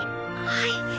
はい。